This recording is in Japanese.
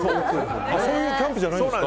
そういうキャンプじゃないんですか。